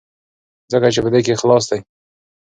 ځکه چې په دې کې اخلاص دی.